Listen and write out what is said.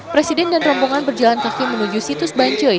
presiden dan rombongan berjalan kaki menuju situs bancoi